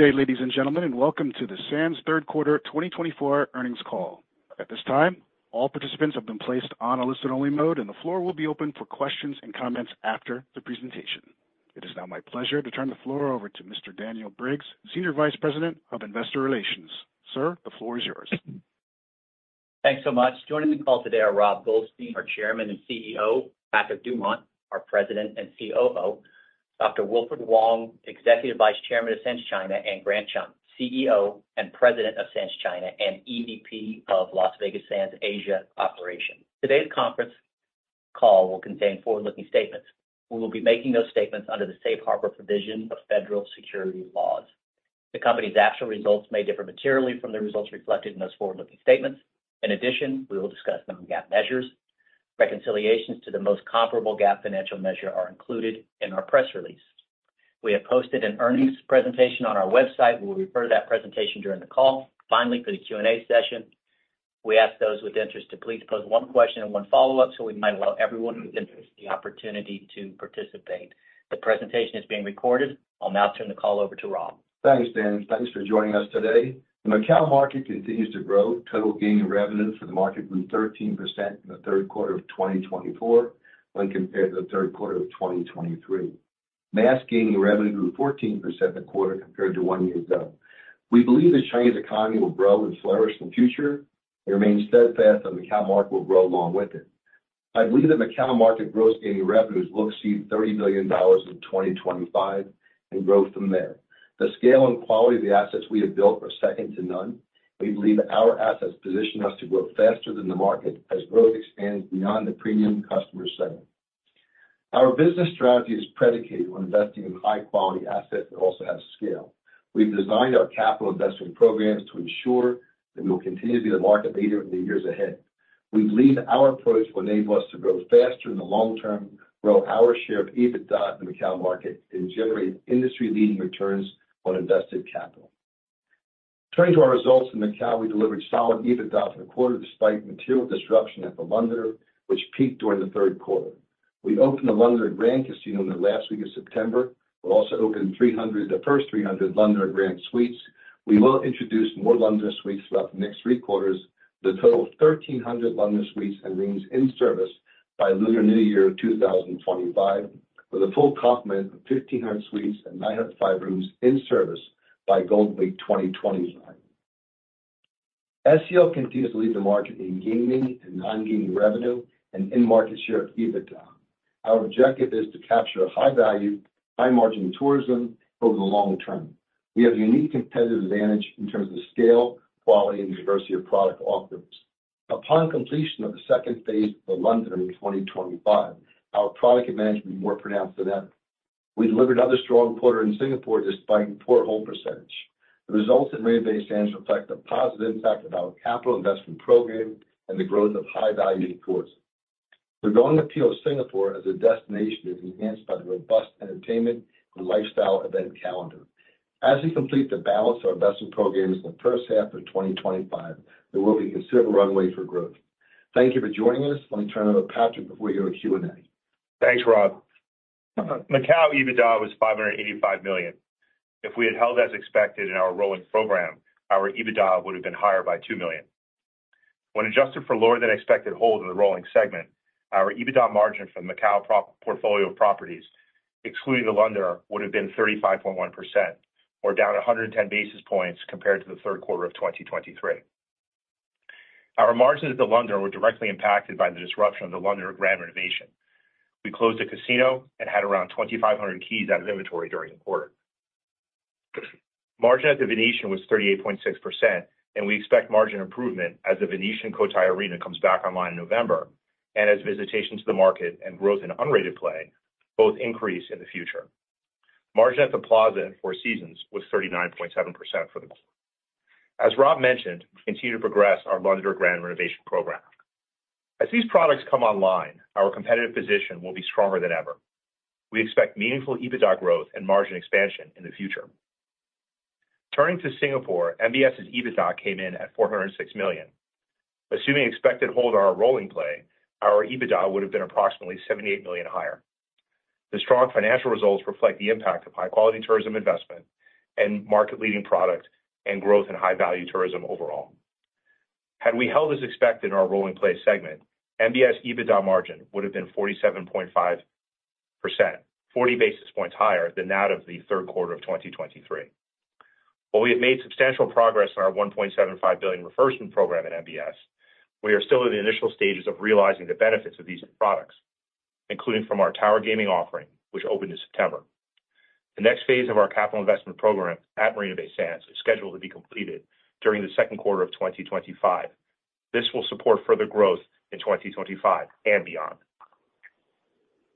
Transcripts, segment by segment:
Good day, ladies and gentlemen, and welcome to the Sands Third Quarter 2024 Earnings Call. At this time, all participants have been placed on a listen-only mode, and the floor will be open for questions and comments after the presentation. It is now my pleasure to turn the floor over to Mr. Daniel Briggs, Senior Vice President of Investor Relations. Sir, the floor is yours. Thanks so much. Joining the call today are Rob Goldstein, our Chairman and CEO; Patrick Dumont, our President and COO; Dr. Wilfred Wong, Executive Vice Chairman of Sands China; and Grant Chum, CEO and President of Sands China and EVP of Las Vegas Sands Asia Operations. Today's conference call will contain forward-looking statements. We will be making those statements under the safe harbor provision of federal securities laws. The company's actual results may differ materially from the results reflected in those forward-looking statements. In addition, we will discuss some non-GAAP measures. Reconciliations to the most comparable GAAP financial measure are included in our press release. We have posted an earnings presentation on our website. We will refer to that presentation during the call. Finally, for the Q&A session, we ask those with interest to please pose one question and one follow-up, so we might allow everyone with interest the opportunity to participate. The presentation is being recorded. I'll now turn the call over to Rob. Thanks, Dan. Thanks for joining us today. The Macau market continues to grow. Total gaming revenue for the market grew 13% in the third quarter of 2024 when compared to the third quarter of 2023. Mass gaming revenue grew 14% in the quarter compared to one year ago. We believe the Chinese economy will grow and flourish in the future and remain steadfast that Macau market will grow along with it. I believe the Macau market gross gaming revenues will exceed $30 billion in 2025 and grow from there. The scale and quality of the assets we have built are second to none. We believe our assets position us to grow faster than the market as growth expands beyond the premium customer segment. Our business strategy is predicated on investing in high-quality assets that also have scale. We've designed our capital investment programs to ensure that we will continue to be the market leader in the years ahead. We believe our approach will enable us to grow faster in the long term, grow our share of EBITDA in the Macau market, and generate industry-leading returns on invested capital. Turning to our results in Macau, we delivered solid EBITDA for the quarter, despite material disruption at The Londoner, which peaked during the third quarter. We opened The Londoner Grand Casino in the last week of September. We also opened the first 300 Londoner Grand Suites. We will introduce more Londoner suites throughout the next three quarters, with a total of 1,300 Londoner suites and rooms in service by Lunar New Year 2025, with a full complement of 1,500 suites and 905 rooms in service by Golden Week 2025. SCL continues to lead the market in gaming and non-gaming revenue and in market share of EBITDA. Our objective is to capture a high-value, high-margin tourism over the long term. We have a unique competitive advantage in terms of scale, quality, and diversity of product offerings. Upon completion of the second phase of The Londoner in 2025, our product advantage will be more pronounced than ever. We delivered another strong quarter in Singapore, despite poor hold percentage. The results at Marina Bay Sands reflect the positive impact of our capital investment program and the growth of high-value tourism. The growing appeal of Singapore as a destination is enhanced by the robust entertainment and lifestyle event calendar. As we complete the balance of our investment programs in the first half of 2025, there will be considerable runway for growth. Thank you for joining us. Let me turn it over to Patrick before we go to Q&A. Thanks, Rob. Macau EBITDA was $585 million. If we had held as expected in our rolling program, our EBITDA would have been higher by $2 million. When adjusted for lower-than-expected hold in the rolling segment, our EBITDA margin for the Macau portfolio of properties, excluding The Londoner, would have been 35.1%, or down 110 basis points compared to the third quarter of 2023. Our margins at The Londoner were directly impacted by the disruption of the Londoner Grand renovation. We closed the casino and had around 2,500 keys out of inventory during the quarter. Margin at the Venetian was 38.6%, and we expect margin improvement as the Venetian Cotai Arena comes back online in November, and as visitation to the market and growth in unrated play both increase in the future. Margin at the Plaza and Four Seasons was 39.7% for the quarter. As Rob mentioned, we continue to progress our Londoner Grand renovation program. As these products come online, our competitive position will be stronger than ever. We expect meaningful EBITDA growth and margin expansion in the future. Turning to Singapore, MBS's EBITDA came in at $406 million. Assuming expected hold on our rolling play, our EBITDA would have been approximately $78 million higher. The strong financial results reflect the impact of high-quality tourism investment and market-leading product and growth in high-value tourism overall. Had we held as expected in our rolling play segment, MBS EBITDA margin would have been 47.5%, 40 basis points higher than that of the third quarter of 2023. While we have made substantial progress on our $1.75 billion reversion program at MBS, we are still in the initial stages of realizing the benefits of these products, including from our Tower Gaming offering, which opened in September. The next phase of our capital investment program at Marina Bay Sands is scheduled to be completed during the second quarter of 2025. This will support further growth in 2025 and beyond.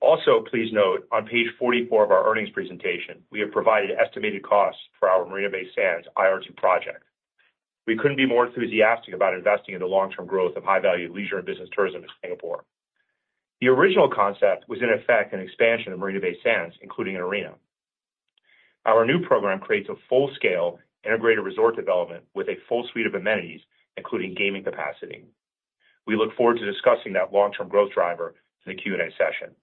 Also, please note, on page 44 of our earnings presentation, we have provided estimated costs for our Marina Bay Sands IR2 project. We couldn't be more enthusiastic about investing in the long-term growth of high-value leisure and business tourism in Singapore. The original concept was, in effect, an expansion of Marina Bay Sands, including an arena. Our new program creates a full-scale integrated resort development with a full suite of amenities, including gaming capacity. We look forward to discussing that long-term growth driver in the Q&A session.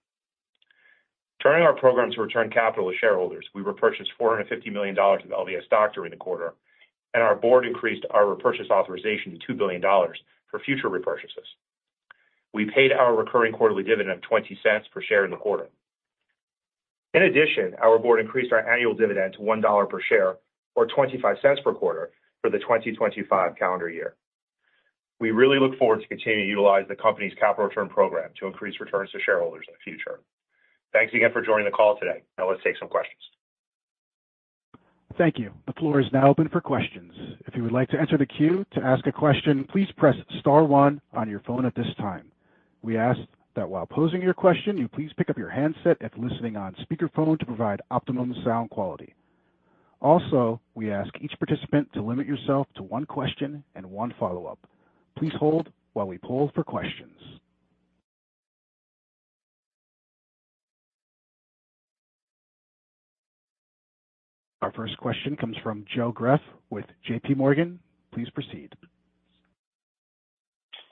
Turning to our program to return capital to shareholders, we repurchased $450 million of LVS stock during the quarter, and our board increased our repurchase authorization to $2 billion for future repurchases. We paid our recurring quarterly dividend of $0.20 per share in the quarter. In addition, our board increased our annual dividend to $1 per share, or $0.25 per quarter for the 2025 calendar year. We really look forward to continuing to utilize the company's capital return program to increase returns to shareholders in the future. Thanks again for joining the call today. Now let's take some questions. Thank you. The floor is now open for questions. If you would like to enter the queue to ask a question, please press star one on your phone at this time. We ask that while posing your question, you please pick up your handset if listening on speakerphone to provide optimum sound quality. Also, we ask each participant to limit yourself to one question and one follow-up. Please hold while we poll for questions. Our first question comes from Joe Greff with JP Morgan. Please proceed.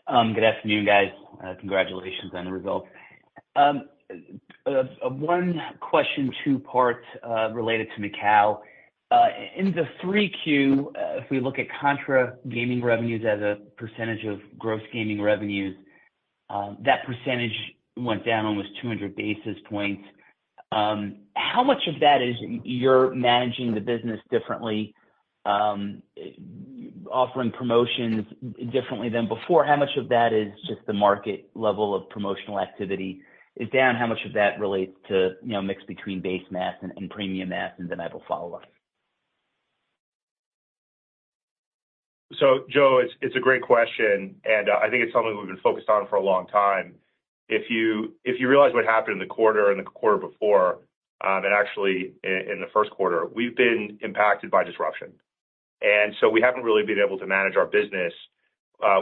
Good afternoon, guys. Congratulations on the results. One question, two parts, related to Macau. In the 3Q, if we look at contra gaming revenues as a percentage of gross gaming revenues, that percentage went down almost 200 basis points. How much of that is you're managing the business differently, offering promotions differently than before? How much of that is just the market level of promotional activity is down, how much of that relates to, you know, mix between base mass and premium mass, and then I will follow up. So Joe, it's a great question, and I think it's something we've been focused on for a long time. If you realize what happened in the quarter and the quarter before, and actually in the first quarter, we've been impacted by disruption. And so we haven't really been able to manage our business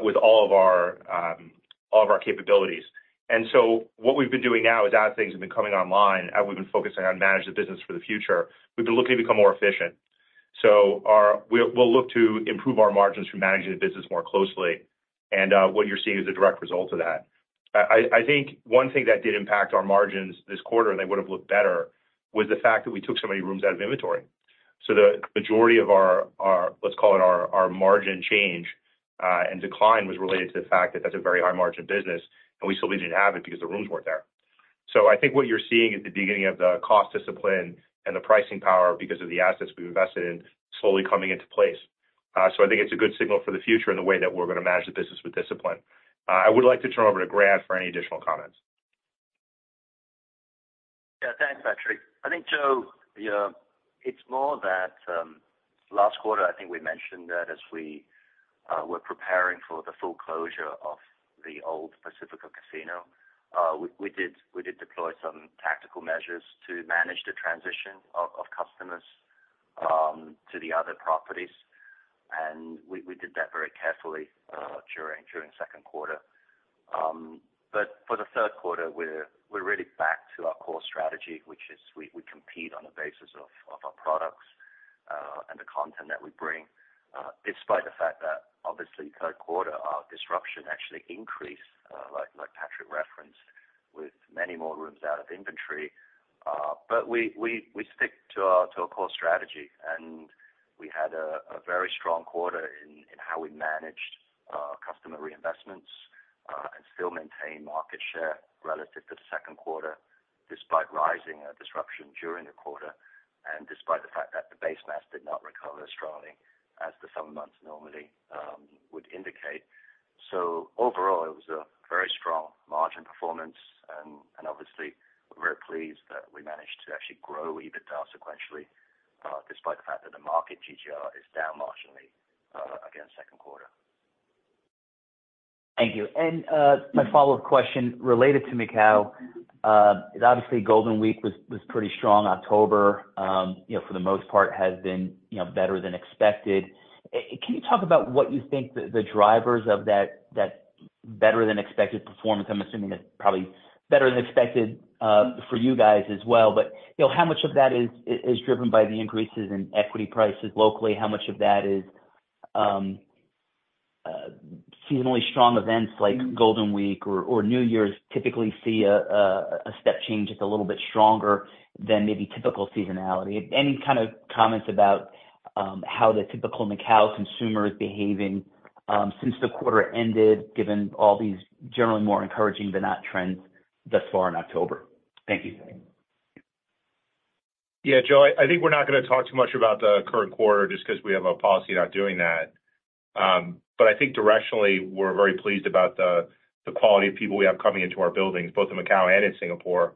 with all of our capabilities. And so what we've been doing now is, as things have been coming online, and we've been focusing on manage the business for the future, we've been looking to become more efficient. So we'll look to improve our margins from managing the business more closely. And what you're seeing is a direct result of that. I think one thing that did impact our margins this quarter, and they would have looked better, was the fact that we took so many rooms out of inventory. So the majority of our our, let's call it, our margin change and decline was related to the fact that that's a very high margin business, and we still didn't have it because the rooms weren't there. So I think what you're seeing is the beginning of the cost discipline and the pricing power because of the assets we've invested in slowly coming into place. So I think it's a good signal for the future and the way that we're going to manage the business with discipline. I would like to turn over to Grant for any additional comments. Yeah, thanks, Patrick. I think, Joe, you know, it's more that, last quarter, I think we mentioned that as we were preparing for the full closure of the old Pacifica Casino, we did, we did deploy some tactical measures to manage the transition of customers to the other properties, and we did that very carefully during second quarter, but for the third quarter, we're we're really back to our core strategy, which is we compete on the basis of our products and the content that we bring, despite the fact that obviously third quarter, our disruption actually increased, like Patrick referenced, with many more rooms out of inventory. But we we stick to our core strategy, and we had a very strong quarter in how we managed our customer reinvestments, and still maintain market share relative to the second quarter, despite rising disruption during the quarter, and despite the fact that the base mass did not recover as strongly as the summer months normally would indicate. So overall, it was a very strong margin performance, and obviously, we're very pleased that we managed to actually grow EBITDA sequentially, despite the fact that the market GGR is down marginally against second quarter. Thank you. And my follow-up question related to Macau, obviously, Golden Week was pretty strong. October, you know, for the most part, has been, you know, better than expected. Can you talk about what you think the drivers of that that better than expected performance? I'm assuming that's probably better than expected for you guys as well. But, you know, how much of that is driven by the increases in equity prices locally? How much of that is seasonally strong events like Golden Week or New Year's typically see a step change that's a little bit stronger than maybe typical seasonality? Any kind of comments about how the typical Macau consumer is behaving since the quarter ended, given all these generally more encouraging than not trends thus far in October? Thank you. Yeah, Joe, I think we're not going to talk too much about the current quarter just because we have a policy not doing that, but I think directionally, we're very pleased about the the quality of people we have coming into our buildings, both in Macau and in Singapore,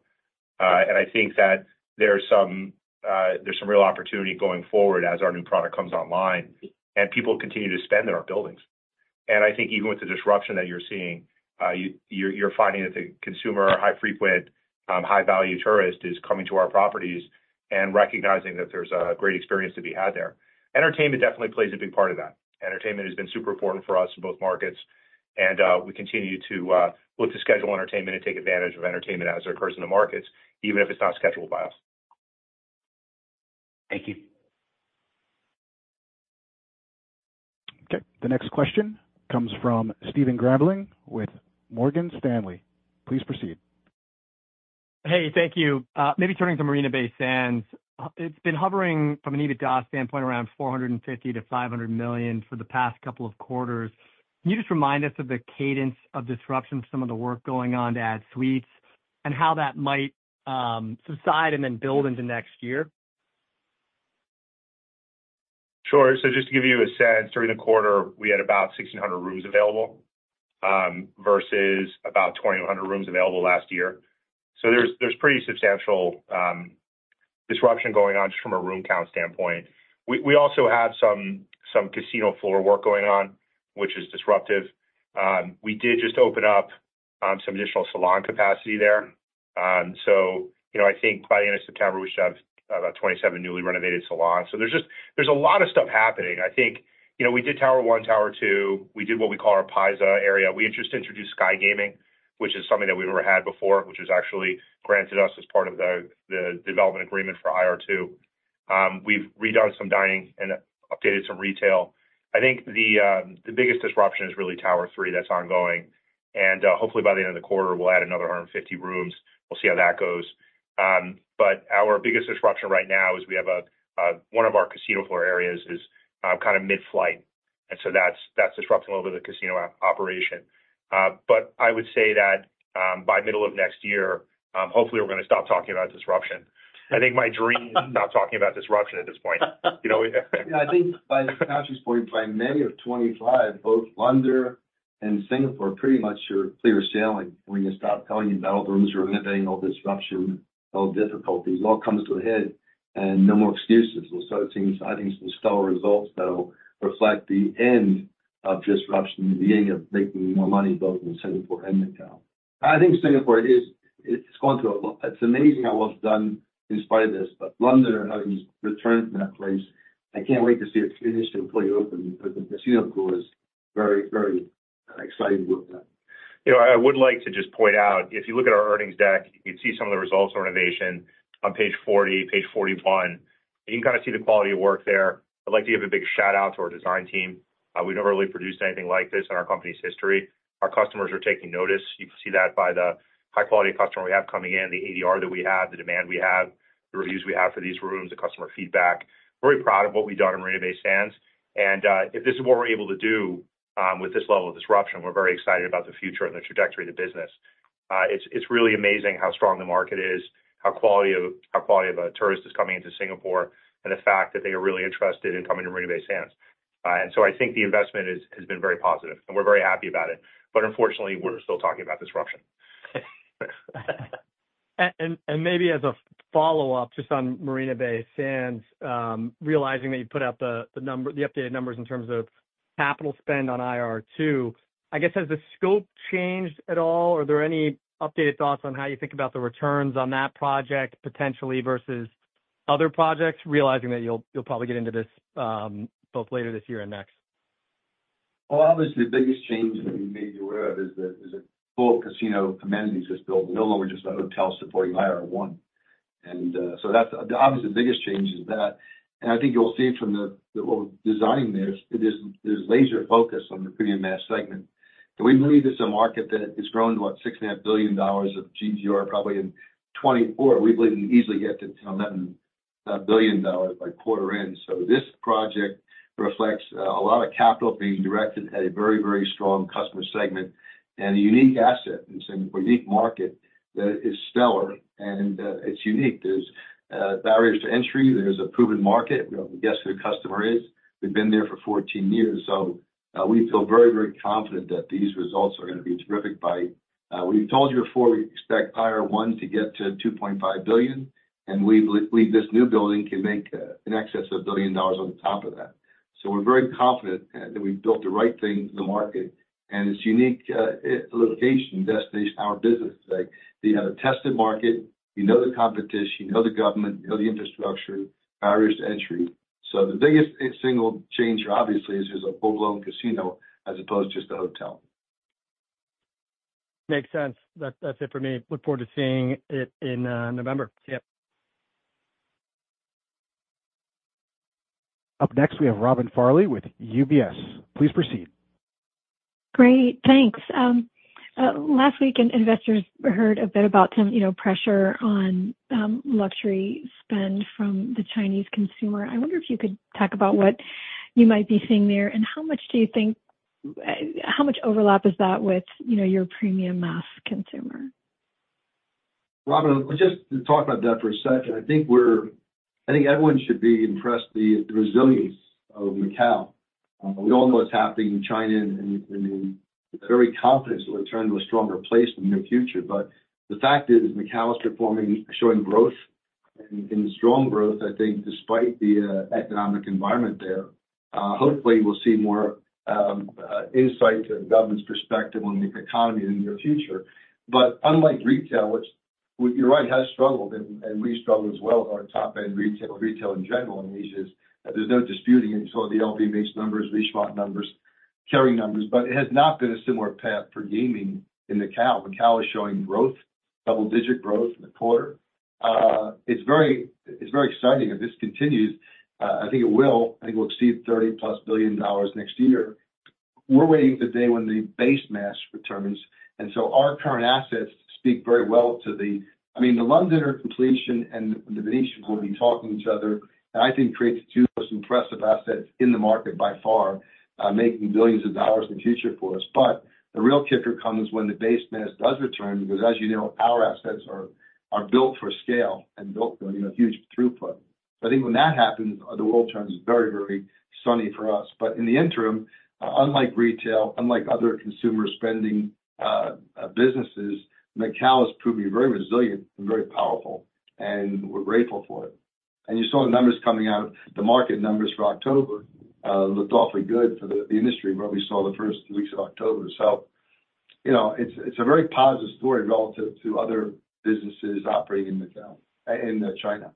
and I think that there's some, there's some real opportunity going forward as our new product comes online and people continue to spend in our buildings. And I think even with the disruption that you're seeing, you're finding that the consumer, high-frequent, high-value tourist, is coming to our properties and recognizing that there's a great experience to be had there. Entertainment definitely plays a big part of that. Entertainment has been super important for us in both markets, and we continue to look to schedule entertainment and take advantage of entertainment as it occurs in the markets, even if it's not scheduled by us. Thank you. .Okay, the next question comes from Stephen Grambling with Morgan Stanley. Please proceed. Hey, thank you. Maybe turning to Marina Bay Sands. It's been hovering from an EBITDA standpoint, around $450 million-$500 million for the past couple of quarters. Can you just remind us of the cadence of disruption, some of the work going on to add suites, and how that might subside and then build into next year? Sure. So just to give you a sense, during the quarter, we had about 1,600 rooms available versus about 2,100 rooms available last year. So there's pretty substantial disruption going on just from a room count standpoint. We also had some some casino floor work going on, which is disruptive. We did just open up some additional salon capacity there. So, you know, I think by the end of September, we should have about 27 newly renovated salons. So there's just a lot of stuff happening. I think, you know, we did Tower 1, Tower 2, we did what we call our Paiza area. We just introduced Sky Gaming, which is something that we never had before, which was actually granted us as part of the development agreement for IR2. We've redone some dining and updated some retail. I think the biggest disruption is really Tower 3, that's ongoing, and hopefully, by the end of the quarter, we'll add another 150 rooms. We'll see how that goes. But our biggest disruption right now is we have one of our casino floor areas kind of mid-flight, and so that's disrupting a little bit of the casino operation. But I would say that by middle of next year, hopefully, we're going to stop talking about disruption. I think my dream is to stop talking about disruption at this point, you know? Yeah, I think by Scott's point, by May of 2025, both London and Singapore pretty much are clear sailing. We're going to stop telling you about rooms or limiting all disruption, all difficulties, all comes to a head and no more excuses. We'll start seeing, I think, some stellar results that'll reflect the end of disruption and the beginning of making more money, both in Singapore and Macau. I think Singapore is, it's going through a lot. It's amazing how well it's done in spite of this, but London, having returned to that place, I can't wait to see it finished and fully open, because the casino pool is very, very exciting to look at. You know, I would like to just point out, if you look at our earnings deck, you can see some of the results of innovation on page forty, page forty-one. You can kind of see the quality of work there. I'd like to give a big shout-out to our design team. We've never really produced anything like this in our company's history. Our customers are taking notice. You can see that by the high quality of customer we have coming in, the ADR that we have, the demand we have, the reviews we have for these rooms, the customer feedback. Very proud of what we've done in Marina Bay Sands, and if this is what we're able to do, with this level of disruption, we're very excited about the future and the trajectory of the business. It's really amazing how strong the market is, how quality of a tourist is coming into Singapore, and the fact that they are really interested in coming to Marina Bay Sands. And so I think the investment has been very positive, and we're very happy about it, but unfortunately, we're still talking about disruption. And maybe as a follow-up, just on Marina Bay Sands, realizing that you put out the updated numbers in terms of capital spend on IR2, I guess, has the scope changed at all? Are there any updated thoughts on how you think about the returns on that project, potentially, versus other projects, realizing that you'll probably get into this both later this year and next? Obviously, the biggest change that we made you aware of is the full casino amenities is built, no longer just a hotel supporting IR1. And so that's obviously the biggest change is that. I think you'll see from the design there, it is laser-focused on the premium mass segment. We believe it's a market that is growing to about $6.5 billion of GGR, probably in 2024. We believe we easily get to $11 billion by quarter end. This project reflects a lot of capital being directed at a very, very strong customer segment and a unique asset. It's a unique market that is stellar and it's unique. There's barriers to entry. There's a proven market. We know who the customer is. We've been there for fourteen years, so we feel very, very confident that these results are going to be terrific by... We've told you before, we expect IR1 to get to $2.5 billion, and we believe this new building can make in excess of $1 billion on top of that. So we're very confident that we've built the right thing in the market and its unique location, destination, our business. Like, you have a tested market, you know the competition, you know the government, you know the infrastructure, barriers to entry. So the biggest single changer, obviously, is there's a full-blown casino as opposed to just a hotel. Makes sense. That's it for me. Look forward to seeing it in November. Yep. Up next, we have Robin Farley with UBS. Please proceed. Great, thanks. Last week, investors heard a bit about some, you know, pressure on luxury spend from the Chinese consumer. I wonder if you could talk about what you might be seeing there, and how much do you think—how much overlap is that with, you know, your premium mass consumer? Robin, let's just talk about that for a second. I think we're. I think everyone should be impressed, the resilience of Macau. We all know what's happening in China, and I mean very confident it's going to return to a stronger place in the near future. But the fact is, Macau is performing, showing growth and strong growth, I think, despite the economic environment there. Hopefully, we'll see more insight to the government's perspective on the economy in the near future. But unlike retail, which you're right, has struggled and we struggled as well, our top-end retail, retail in general in Asia, there's no disputing until the LV makes numbers, Richemont numbers, Kering numbers, but it has not been a similar path for gaming in Macau. Macau is showing growth, double-digit growth in the quarter. It's very, it's very exciting, if this continues, I think it will, I think we'll exceed $30-plus billion next year. We're waiting for the day when the base mass returns, and so our current assets speak very well to the-- I mean, the Londoner completion and the Venetian will be talking to each other, and I think creates the two most impressive assets in the market by far, making billions of dollars in the future for us. But the real kicker comes when the base mass does return, because as you know, our assets are built for scale and built for, you know, huge throughput. So I think when that happens, the world turns very, very sunny for us. But in the interim, unlike retail, unlike other consumer spending, businesses, Macau has proven very resilient and very powerful, and we're grateful for it. You saw the numbers coming out, the market numbers for October, looked awfully good for the industry, what we saw in the first weeks of October. You know, it's a very positive story relative to other businesses operating in Macau, in China.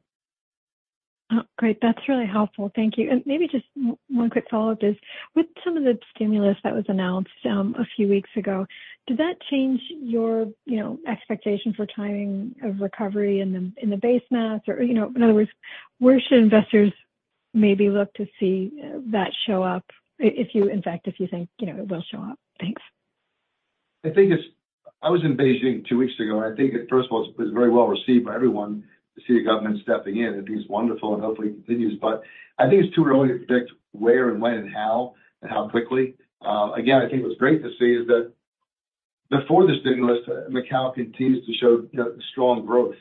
Oh, great. That's really helpful. Thank you. And maybe just one quick follow-up is, with some of the stimulus that was announced a few weeks ago, did that change your, you know, expectation for timing of recovery in the, in the base mass? Or, you know, in other words, where should investors maybe look to see that show up, if you, in fact, if you think, you know, it will show up? Thanks. I think it's. I was in Beijing two weeks ago, and I think it, first of all, it was very well received by everyone to see the government stepping in. It is wonderful and hopefully continues. But I think it's too early to predict where and when and how, and how quickly. Again, I think what's great to see is that before the stimulus, Macau continues to show, you know, strong growth.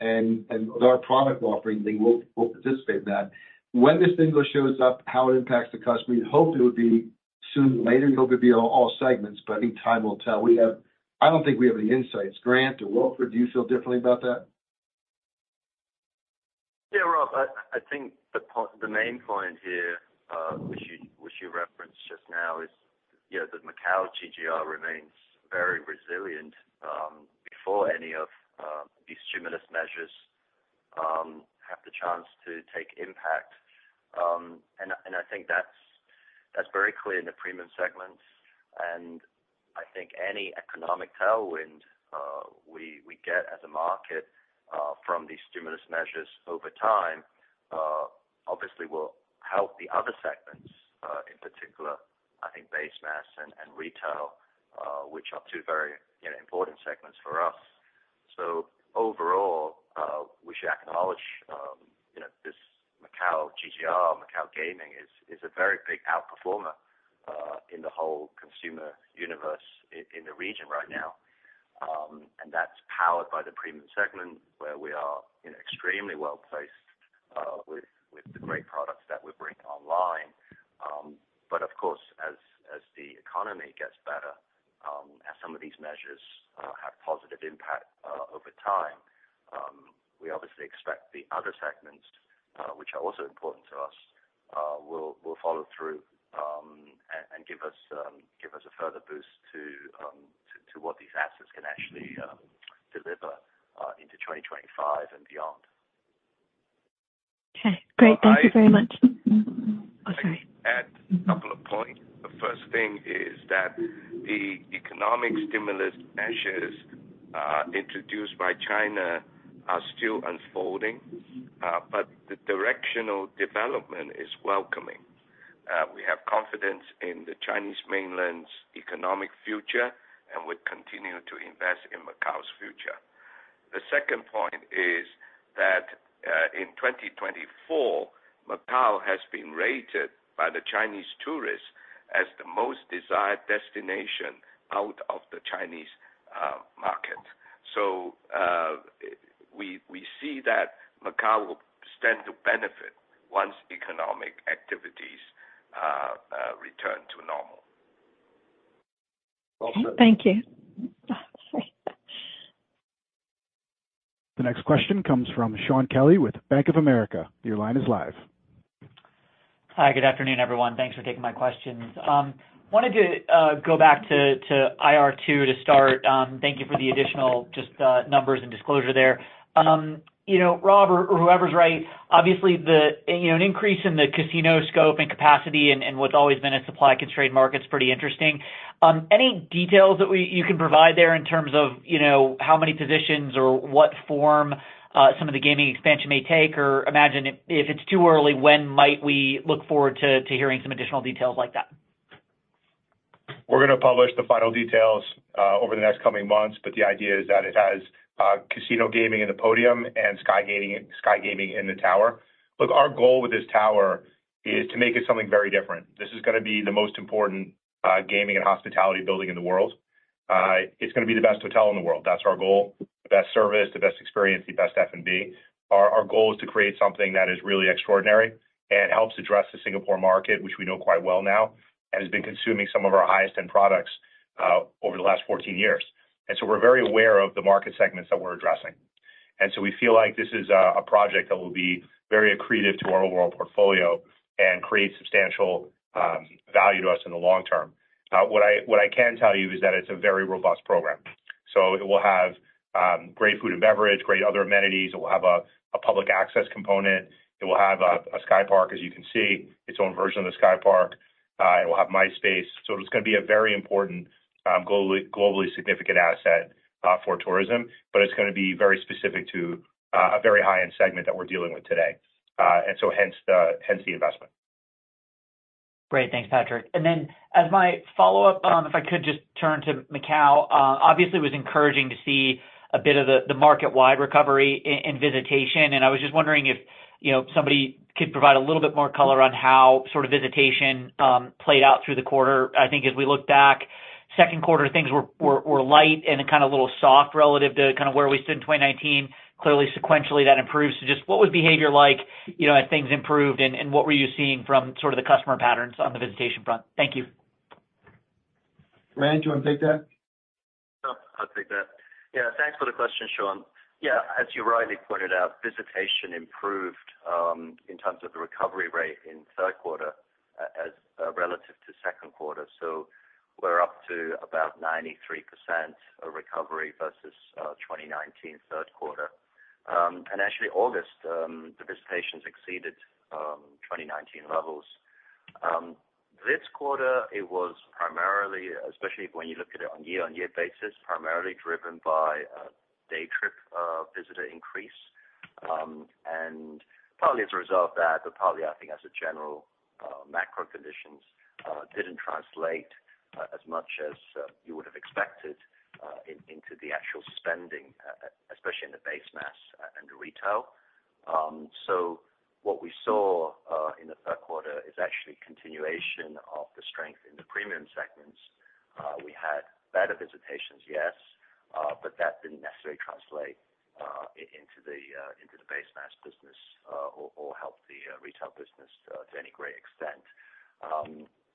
And with our product offering, we will, we'll participate in that. When the stimulus shows up, how it impacts the customer, we hope it would be sooner than later, and hope it'll be all segments, but I think time will tell. We have. I don't think we have the insights. Grant or Wilfred, do you feel differently about that? Yeah, Rob, I think the main point here, which you referenced just now, is, you know, that Macau GGR remains very resilient, before any of these stimulus measures have the chance to take impact. And I think that's very clear in the premium segment. And I think any economic tailwind we get as a market from these stimulus measures over time obviously will help the other segments, in particular, I think base mass and retail, which are two very, you know, important segments for us. So overall, we should acknowledge, you know, this Macau GGR, Macau gaming is a very big outperformer in the whole consumer universe in the region right now. And that's powered by the premium segment, where we are, you know, extremely well-placed, with the great products that we bring online. But of course, as as the economy gets better, as some of these measures have positive impact over time, we obviously expect the other segments, which are also important to us, will follow through, and give us a further boost to what these assets can actually deliver into 2025 and beyond. Okay, great. Well, I- Thank you very much. Okay. Let me add a couple of points. The first thing is that the economic stimulus measures introduced by China are still unfolding, but the directional development is welcoming. We have confidence in the Chinese mainland's economic future, and we continue to invest in Macau's future. The second point is that in 2024, Macau has been rated by the Chinese tourists as the most desired destination out of the Chinese market. So, we we see that Macau will stand to benefit once economic activities return to normal. Well said. Okay. Thank you. Sorry. The next question comes from Shaun Kelley with Bank of America. Your line is live. Hi, good afternoon, everyone. Thanks for taking my questions. Wanted to go back to to IR2 to start. Thank you for the additional, just, numbers and disclosure there. You know, Rob or whoever's right, obviously, the, you know, an increase in the casino scope and capacity and what's always been a supply-constrained market is pretty interesting. Any details that you can provide there in terms of, you know, how many positions or what form some of the gaming expansion may take? Or imagine if it's too early, when might we look forward to hearing some additional details like that? We're gonna publish the final details over the next coming months, but the idea is that it has casino gaming in the podium and sky gaming, sky gaming in the tower. Look, our goal with this tower is to make it something very different. This is gonna be the most important gaming and hospitality building in the world. It's gonna be the best hotel in the world. That's our goal. The best service, the best experience, the best F&B. Our goal is to create something that is really extraordinary and helps address the Singapore market, which we know quite well now, and has been consuming some of our highest-end products over the last fourteen years, and so we're very aware of the market segments that we're addressing. And we feel like this is a project that will be very accretive to our overall portfolio and create substantial value to us in the long term. What I can tell you is that it's a very robust program. So it will have great food and beverage, great other amenities. It will have a public access component. It will have a SkyPark, as you can see, its own version of the SkyPark. It will have MICE. So it's gonna be a very important, globally significant asset for tourism, but it's gonna be very specific to a very high-end segment that we're dealing with today. And so hence, hence the investment. Great. Thanks, Patrick. And then as my follow-up, if I could just turn to Macau. Obviously, it was encouraging to see a bit of the market-wide recovery in visitation, and I was just wondering if, you know, somebody could provide a little bit more color on how sort of visitation played out through the quarter. I think as we look back, second quarter, things were light and a kind of little soft relative to kind of where we sit in 2019. Clearly, sequentially, that improves. So just what was behavior like, you know, as things improved, and what were you seeing from sort of the customer patterns on the visitation front? Thank you. Grant, do you want to take that? Sure, I'll take that. Yeah, thanks for the question, Shaun. Yeah, as you rightly pointed out, visitation improved in terms of the recovery rate in third quarter relative to second quarter. So we're up to about 93% of recovery versus 2019 third quarter. And actually, August the visitations exceeded 2019 levels. This quarter, it was primarily, especially when you look at it on year-on-year basis, primarily driven by a day trip visitor increase. And partly as a result of that, but partly, I think, as a general macro conditions didn't translate as much as you would have expected into the actual spending, especially in the base mass and the retail. So what we saw in the third quarter is actually continuation of the strength in the premium segments. We had better visitations, yes, but that didn't necessarily translate into the, into the base mass business, or help the retail business to any great extent.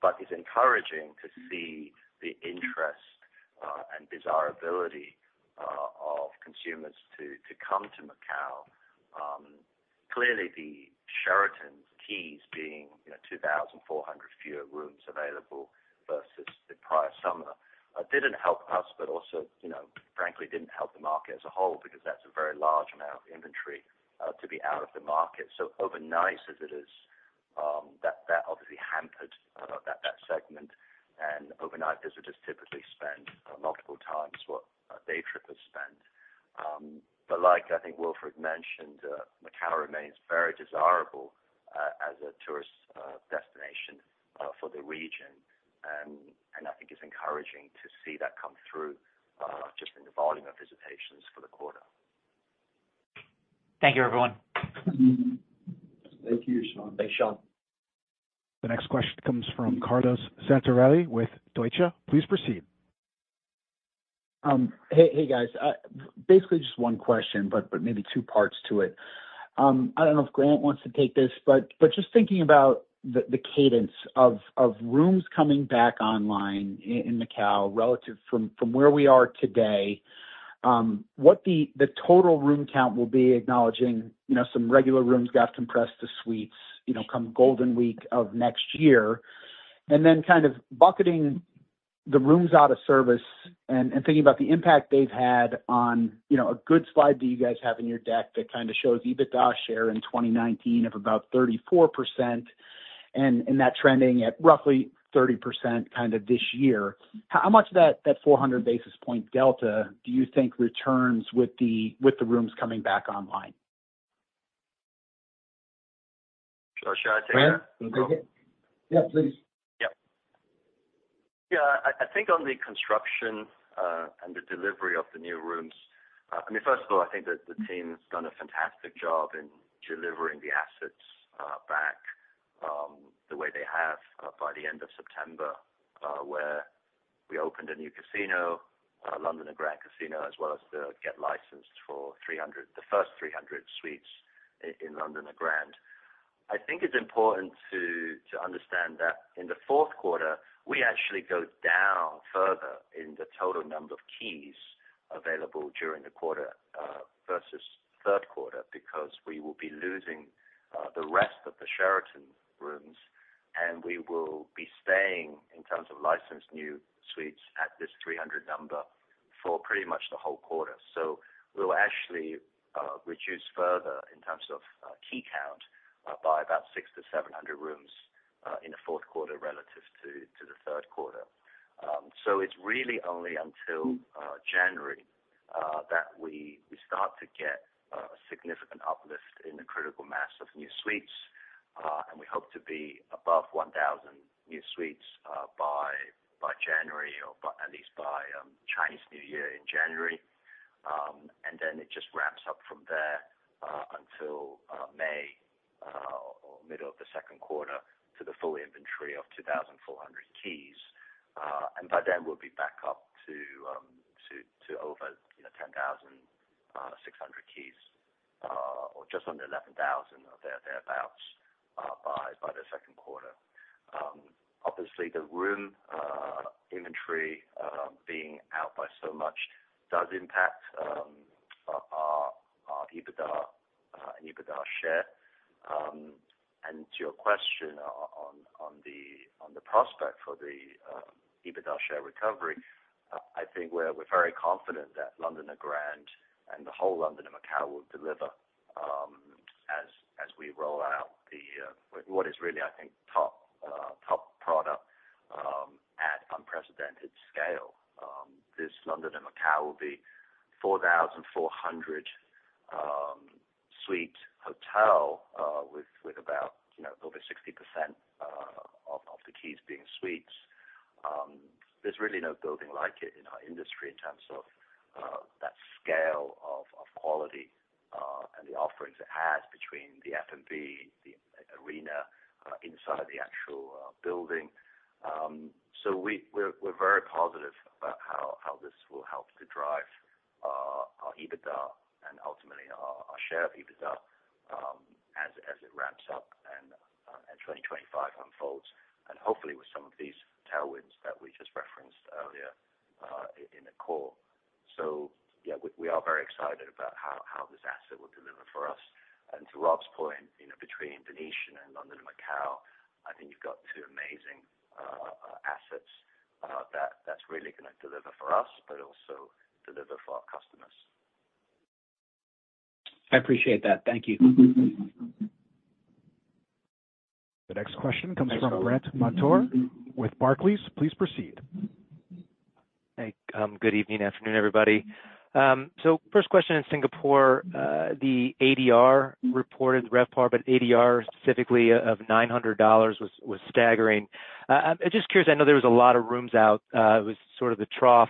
But it's encouraging to see the interest and desirability of consumers to come to Macau. Clearly, the Sheraton's keys being, you know, 2,400 fewer rooms available versus the prior summer didn't help us, but also, you know, frankly, didn't help the market as a whole, because that's a very large amount of inventory to be out of the market. So overnight, as it is, that obviously hampered that segment. And overnight, visitors typically spend multiple times what a day tripper spend. But like, I think Wilfred mentioned, Macau remains very desirable as a tourist destination for the region. And I think it's encouraging to see that come through just in the volume of visitations for the quarter. Thank you, everyone. Thank you, Shaun. Thanks, Sean. The next question comes from Carlo Santarelli with Deutsche Bank. Please proceed. Hey, guys. Basically, just one question, but maybe two parts to it. I don't know if Grant wants to take this, but just thinking about the cadence of of rooms coming back online in Macau, relative from where we are today, what the total room count will be, acknowledging, you know, some regular rooms got compressed to suites, you know, come Golden Week of next year, and then kind of bucketing the rooms out of service and thinking about the impact they've had on, you know, a good slide that you guys have in your deck that kind of shows EBITDA share in 2019 of about 34%, and that trending at roughly 30% kind of this year. How much of that, that four hundred basis point delta do you think returns with the, with the rooms coming back online? Should I take that? Grant, you can take it. Yeah, please. Yeah. Yeah, I think on the construction and the delivery of the new rooms, I mean, first of all, I think that the team's done a fantastic job in delivering the assets back the way they have by the end of September, where we opened a new casino, Londoner Grand Casino, as well as we got licensed for 300--the first 300 suites in Londoner Grand. I think it's important to to understand that in the fourth quarter, we actually go down further in the total number of keys available during the quarter versus third quarter, because we will be losing the rest of the Sheraton rooms, and we will be staying in terms of licensed new suites at this 300 number for pretty much the whole quarter. So we'll actually reduce further in terms of key count by about 600-700 rooms in the fourth quarter, relative to to the third quarter. So it's really only until January that we start to get a significant uplift in the critical mass of new suites, and we hope to be above 1,000 new suites by, by January or at least by Chinese New Year in January. And then it just ramps up from there until May or middle of the second quarter to the full inventory of 2,400 keys. And by then, we'll be back up to to over, you know, 10,600 keys or just under 11,000 or thereabout by the second quarter. Obviously, the room inventory being out by so much does impact our EBITDA and EBITDA share, and to your question on on the prospect for the EBITDA share recovery, I think we're very confident that Londoner Grand and the whole Londoner Macao will deliver as we roll out the what is really, I think top, top product at unprecedented scale. This Londoner Macao will be 4,400-suite hotel with about, you know, over 60% of the keys being suites. There's really no building like it in our industry in terms of that scale of quality and the offerings it has between the F&B, the arena inside the actual building. So we're very positive about how this will help to drive our EBITDA and ultimately our share of EBITDA, as it ramps up and 2025 unfolds, and hopefully with some of these tailwinds that we just referenced earlier in the call, so yeah, we are very excited about how how this asset will deliver for us, and to Rob's point, you know, between Venetian and Londoner Macao, I think you've got two amazing assets that's really going to deliver for us, but also deliver for our customers. I appreciate that. Thank you. The next question comes from Brandt Montour with Barclays. Please proceed. Hey, good evening, afternoon, everybody. So first question in Singapore, the ADR reported RevPAR, but ADR specifically of $900 was staggering. I'm just curious, I know there was a lot of rooms out. It was sort of the trough,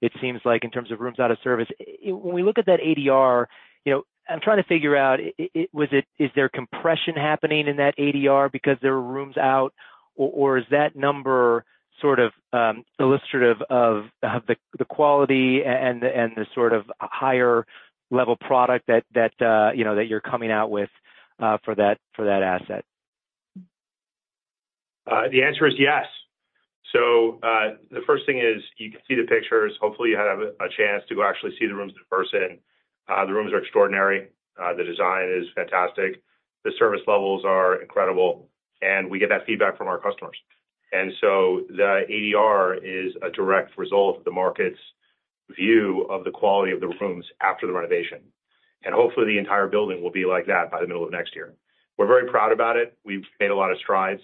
it seems like, in terms of rooms out of service. When we look at that ADR, you know, I'm trying to figure out is there compression happening in that ADR because there were rooms out, or is that number sort of illustrative of the quality and the sort of higher level product that that you know that you're coming out with for that that asset? The answer is yes, so the first thing is you can see the pictures. Hopefully, you have a chance to go actually see the rooms in person. The rooms are extraordinary. The design is fantastic. The service levels are incredible, and we get that feedback from our customers, and so the ADR is a direct result of the market's view of the quality of the rooms after the renovation, and hopefully, the entire building will be like that by the middle of next year. We're very proud about it. We've made a lot of strides.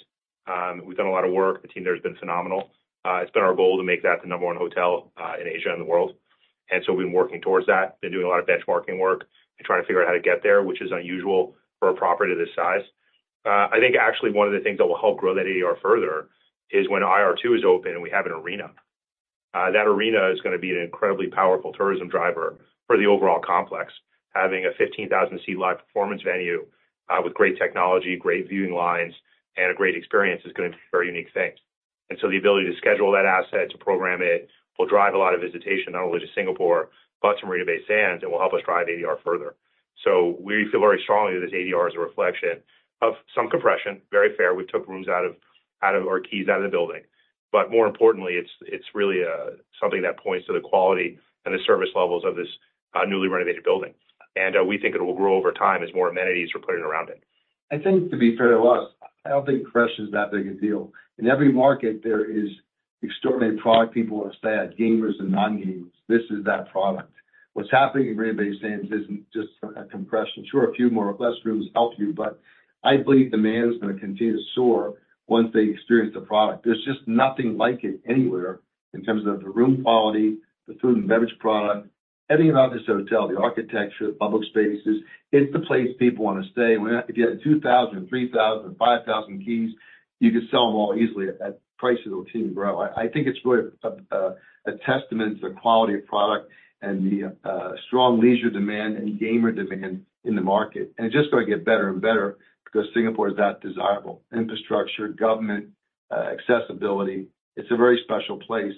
We've done a lot of work. The team there has been phenomenal. It's been our goal to make that the number one hotel in Asia and the world, and so we've been working towards that. Been doing a lot of benchmarking work and trying to figure out how to get there, which is unusual for a property of this size. I think actually one of the things that will help grow that ADR further is when IR2 is open and we have an arena. That arena is going to be an incredibly powerful tourism driver for the overall complex. Having a 15,000-seat live performance venue, with great technology, great viewing lines, and a great experience is going to be a very unique thing. And so the ability to schedule that asset, to program it, will drive a lot of visitation, not only to Singapore, but to Marina Bay Sands, and will help us drive ADR further. So we feel very strongly that this ADR is a reflection of some compression. Very fair. We took rooms out of our keys, out of the building. But more importantly, it's really something that points to the quality and the service levels of this newly renovated building. And we think it will grow over time as more amenities are put in around it. I think, to be fair to us, I don't think compression is that big a deal. In every market, there is extraordinary product people are staying at, gamers and non-gamers. This is that product. What's happening in Marina Bay Sands isn't just a compression. Sure, a few more or less rooms help you, but I believe demand is going to continue to soar once they experience the product. There's just nothing like it anywhere in terms of the room quality, the food and beverage product, anything about this hotel, the architecture, the public spaces, it's the place people want to stay. If you had two thousand, three thousand, five thousand keys, you could sell them all easily at prices that will continue to grow. I think it's really a testament to the quality of product and the strong leisure demand and gamer demand in the market. It's just going to get better and better because Singapore is that desirable. Infrastructure, government, accessibility, it's a very special place.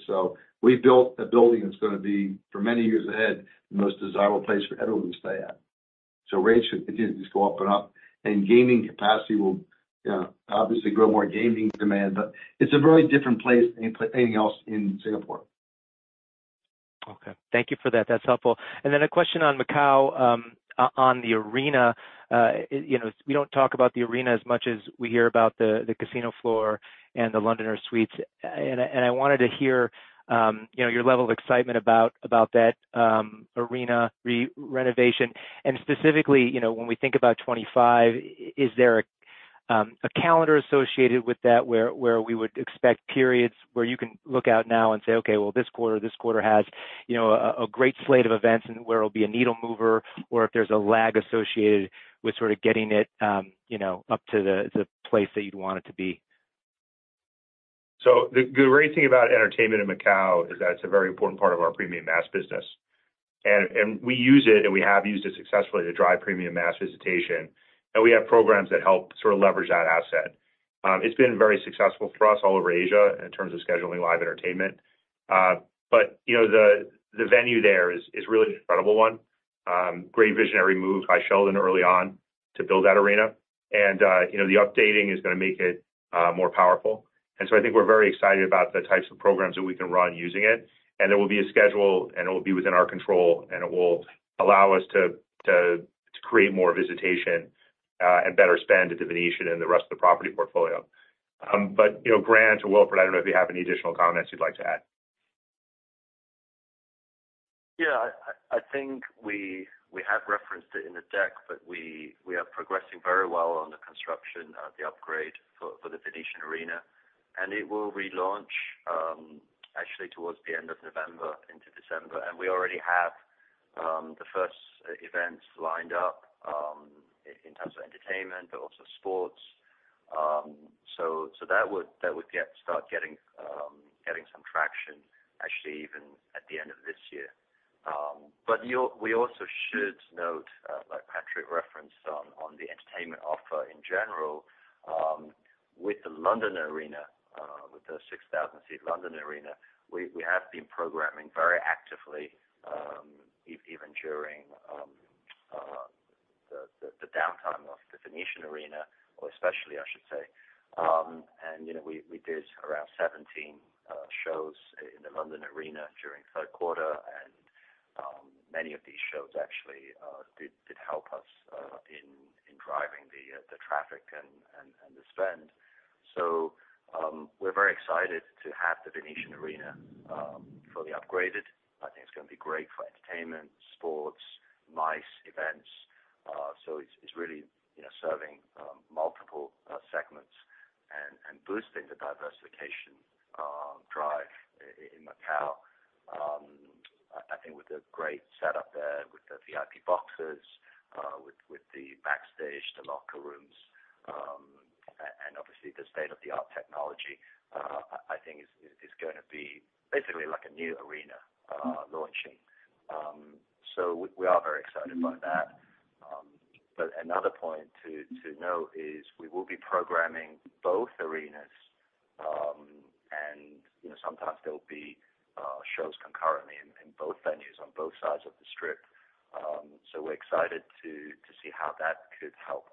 We've built a building that's going to be, for many years ahead, the most desirable place for everyone to stay at. Rates should continue to just go up and up, and gaming capacity will obviously grow more gaming demand, but it's a very different place than anything else in Singapore. Okay. Thank you for that. That's helpful. And then a question on Macau, on the Arena. You know, we don't talk about the Arena as much as we hear about the casino floor and the Londoner Suites. And I wanted to hear, you know, your level of excitement about that Arena renovation. And specifically, you know, when we think about 2025, is there a calendar associated with that, where we would expect periods where you can look out now and say, okay, well, this quarter has, you know, a great slate of events and where it'll be a needle mover, or if there's a lag associated with sort of getting it, you know, up to the place that you'd want it to be? So the great thing about entertainment in Macau is that it's a very important part of our premium mass business. And we use it, and we have used it successfully to drive premium mass visitation, and we have programs that help sort of leverage that asset. It's been very successful for us all over Asia in terms of scheduling live entertainment. But you know, the venue there is really an incredible one. Great visionary move by Sheldon early on to build that Arena. And you know, the updating is going to make it more powerful. And so I think we're very excited about the types of programs that we can run using it. And there will be a schedule, and it will be within our control, and it will allow us to to create more visitation and better spend at the Venetian and the rest of the property portfolio. But, you know, Grant or Wilfred, I don't know if you have any additional comments you'd like to add. Yeah, I think we have referenced it in the deck, but we are progressing very well on the construction of the upgrade for the Venetian Arena, and it will relaunch actually towards the end of November into December. And we already have the first events lined up in terms of entertainment, but also sports. So that would start getting some traction, actually, even at the end of this year. But we we also should note, like Patrick referenced on the entertainment offer in general, with the Londoner Arena, with the six thousand seat Londoner Arena, we have been programming very actively, even during the downtime of the Venetian Arena, or especially, I should say. You know, we did around 17 shows in the Londoner Arena during third quarter, and many of these shows actually did help us in driving the traffic and and the spend. So, we're very excited to have the Venetian Arena fully upgraded. I think it's going to be great for entertainment, sports, MICE events. So it's really, you know, serving multiple segments and boosting the diversification drive in Macau. I think with a great setup there, with the VIP boxes, with the backstage, the locker rooms, and obviously, the state-of-the-art technology, I think is going to be basically like a new arena launching. So we are very excited by that. But another point to note is we will be programming both arenas, and, you know, sometimes there'll be shows concurrently in both venues on both sides of the strip. So, we're excited to see how that could help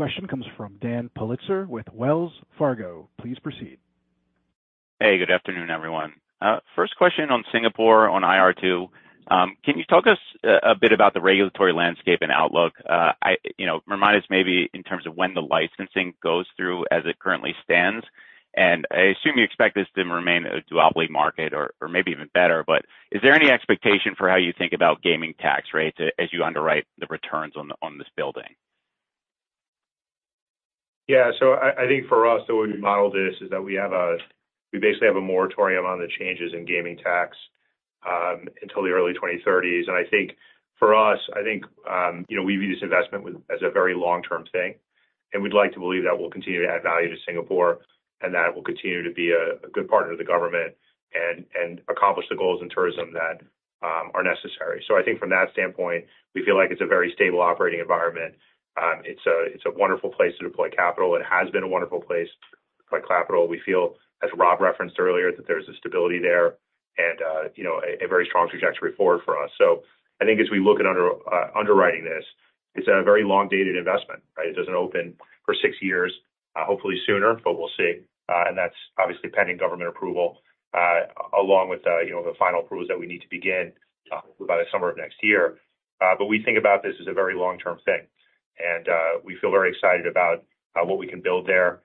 our business, too. So, yes, you will, you will continuously see us showcasing new events in the calendar. There's already three events selling selling tickets now, towards the end of the quarter. And we are looking forward to do some announcements on, you know, some more major events, before the end of the year as well. Great. Thanks, everyone. The next question comes from Dan Politzer with Wells Fargo. Please proceed. Hey, good afternoon, everyone. First question on Singapore, on IR2. Can you talk to us a bit about the regulatory landscape and outlook? You know, remind us maybe in terms of when the licensing goes through as it currently stands. And I assume you expect this to remain a duopoly market or maybe even better. But is there any expectation for how you think about gaming tax rates as you underwrite the returns on this building? Yeah, so I think for us, the way we model this is that we basically have a moratorium on the changes in gaming tax until the early 2030s. I think for us, you know, we view this investment as a very long-term thing, and we'd like to believe that we'll continue to add value to Singapore, and that it will continue to be a good partner to the government and and accomplish the goals in tourism that are necessary. So I think from that standpoint, we feel like it's a very stable operating environment. It's a, it's a wonderful place to deploy capital. It has been a wonderful place to deploy capital. We feel, as Rob referenced earlier, that there's a stability there and, you know, a very strong trajectory forward for us. So I think as we look at underwriting this, it's a very long-dated investment, right? It doesn't open for six years, hopefully sooner, but we'll see. And that's obviously pending government approval, along with, you know, the final approvals that we need to begin by the summer of next year. But we think about this as a very long-term thing, and we feel very excited about what we can build there.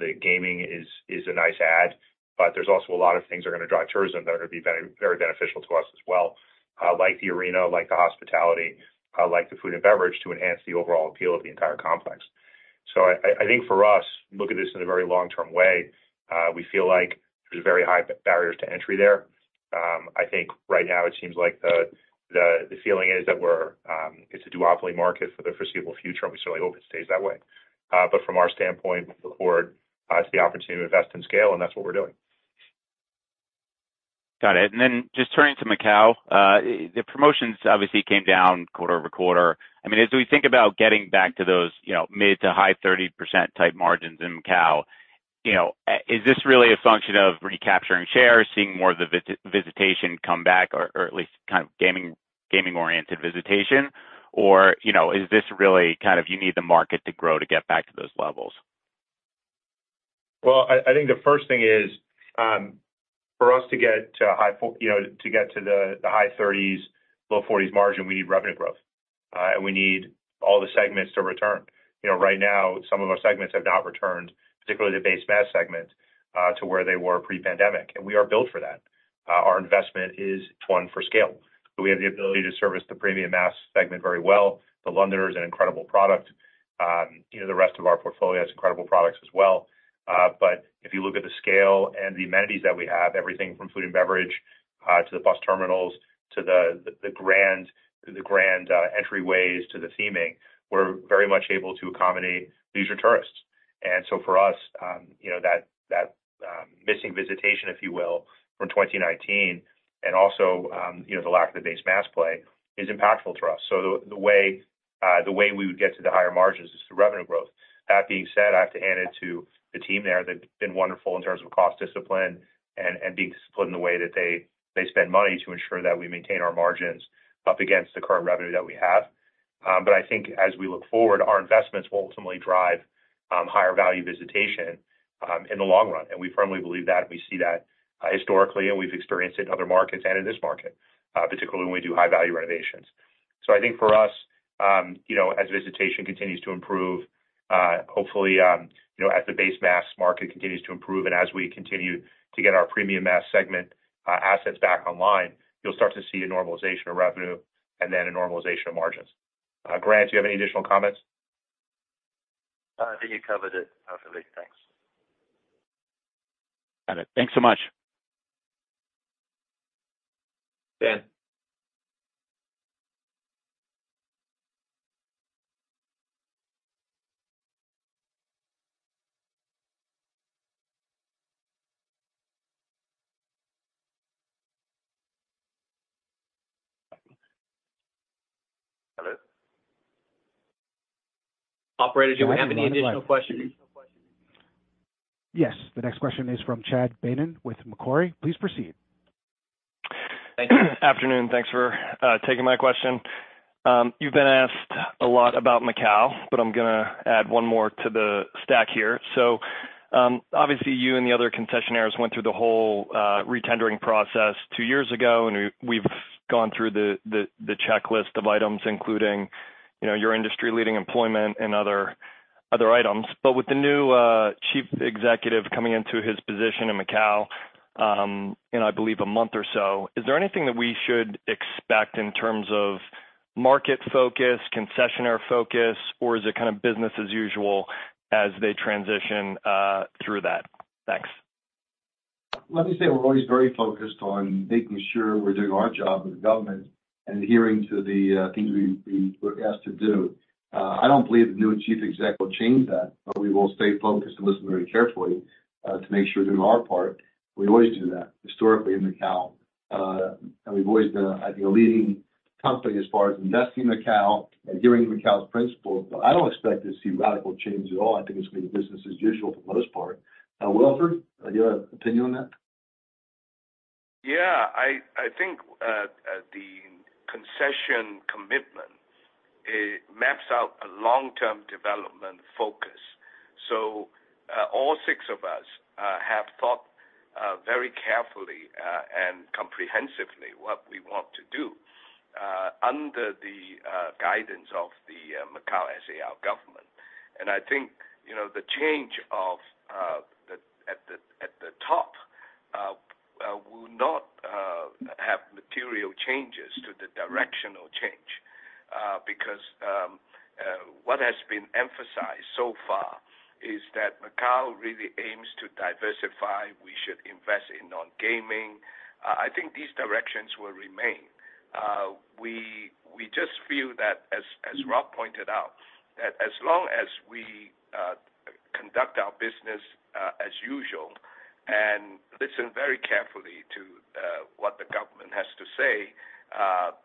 The gaming is a nice add, but there's also a lot of things that are going to drive tourism that are going to be very, very beneficial to us as well, like the arena, like the hospitality, like the food and beverage, to enhance the overall appeal of the entire complex. So I think for us, look at this in a very long-term way. We feel like there's very high barriers to entry there. I think right now it seems like the feeling is that it is a duopoly market for the foreseeable future, and we certainly hope it stays that way, but from our standpoint, we look forward to the opportunity to invest in scale, and that's what we're doing. Got it. And then just turning to Macau, the promotions obviously came down quarter over quarter. I mean, as we think about getting back to those, you know, mid- to high-30% type margins in Macau, you know, is this really a function of recapturing shares, seeing more of the visitation come back, or at least kind of gaming-oriented visitation? Or, you know, is this really kind of you need the market to grow to get back to those levels? Well I think the first thing is, for us to get to a high you know, to get to the high 30s-low 40s margin, we need revenue growth, and we need all the segments to return. You know, right now, some of our segments have not returned, particularly the base mass segment, to where they were pre-pandemic, and we are built for that. Our investment is one for scale. So we have the ability to service the premium mass segment very well. The Londoner is an incredible product. You know, the rest of our portfolio has incredible products as well. But if you look at the scale and the amenities that we have, everything from food and beverage to the bus terminals, to the grand entryways, to the theming, we're very much able to accommodate leisure tourists. And so for us, you know that, that missing visitation, if you will, from 2019 and also, you know, the lack of the base mass play is impactful to us. So the way, the way we would get to the higher margins is through revenue growth. That being said, I have to hand it to the team there. They've been wonderful in terms of cost discipline and being disciplined in the way that they spend money to ensure that we maintain our margins up against the current revenue that we have. But I think as we look forward, our investments will ultimately drive higher value visitation in the long run, and we firmly believe that. We see that historically, and we've experienced it in other markets and in this market, particularly when we do high value renovations. So I think for us, you know, as visitation continues to improve, hopefully, you know, as the base mass market continues to improve and as we continue to get our premium mass segment assets back online, you'll start to see a normalization of revenue and then a normalization of margins. Grant, do you have any additional comments? I think you covered it perfectly. Thanks. Got it. Thanks so much. Dan? Hello? Operator, do we have any additional questions? Yes. The next question is from Chad Beynon with Macquarie. Please proceed. Afternoon, thanks for taking my question. You've been asked a lot about Macau, but I'm gonna add one more to the stack here. So, obviously, you and the other concessionaires went through the whole re-tendering process two years ago, and we've gone through the the checklist of items, including, you know, your industry-leading employment and other items. But with the new chief executive coming into his position in Macau, in I believe, a month or so, is there anything that we should expect in terms of market focus, concessionaire focus, or is it kind of business as usual as they transition through that? Thanks. Let me say, we're always very focused on making sure we're doing our job with the government and adhering to the, things we, we were asked to do. I don't believe the new chief exec will change that, but we will stay focused and listen very carefully, to make sure we're doing our part. We always do that historically in Macau, and we've always been, I think, a leading company as far as investing in Macau and adhering to Macau's principles. So I don't expect to see radical change at all. I think it's gonna be business as usual for the most part. Wilfred, you have an opinion on that? Yeah, I think the concession commitment maps out a long-term development focus. So, all six of us have thought very carefully and comprehensively what we want to do under the guidance of the Macau SAR government. And I think, you know, the change at the top will not have material changes to the directional change. Because what has been emphasized so far is that Macau really aims to diversify. We should invest in non-gaming. I think these directions will remain. We just feel that as Rob pointed out, that as long as we conduct our business as usual and listen very carefully to what the government has to say,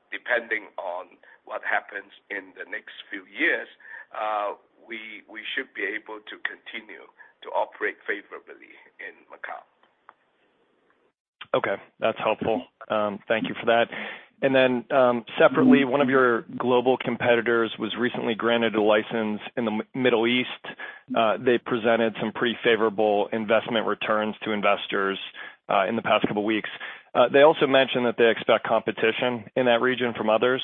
depending on what happens in the next few years, we should be able to continue to operate favorably in Macau. Okay, that's helpful. Thank you for that. And then, separately, one of your global competitors was recently granted a license in the Middle East. They presented some pretty favorable investment returns to investors in the past couple of weeks. They also mentioned that they expect competition in that region from others.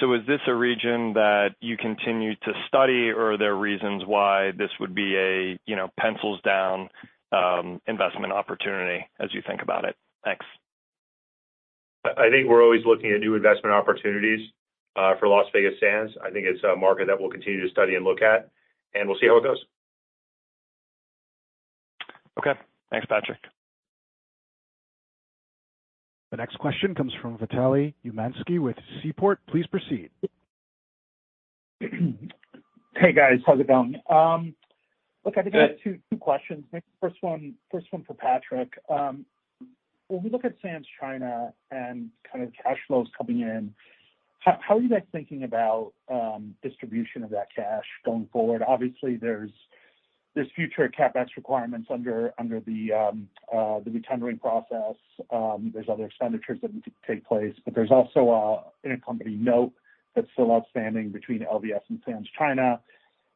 So is this a region that you continue to study, or are there reasons why this would be a, you know, pencils down, investment opportunity as you think about it? Thanks. I think we're always looking at new investment opportunities for Las Vegas Sands. I think it's a market that we'll continue to study and look at, and we'll see how it goes. Okay. Thanks, Patrick. The next question comes from Vitaly Umansky with Seaport. Please proceed. Hey, guys, how's it going? Look, I think I have two questions. Maybe first one for Patrick. When we look at Sands China and kind of cash flows coming in, how are you guys thinking about distribution of that cash going forward? Obviously, there's future CapEx requirements under the, under the re-tendering process. There's other expenditures that need to take place, but there's also an intercompany note that's still outstanding between LVS and Sands China.